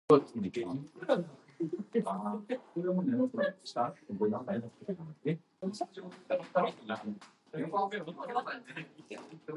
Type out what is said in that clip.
Not radical but restless.